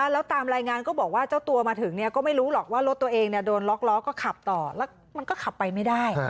แล้วตามรายงานก็บอกว่าเจ้าตัวมาถึงก็ไม่รู้หรอกว่ารถตัวเองโดนล็อกล้อก็ขับต่อแล้วมันก็ขับไปไม่ได้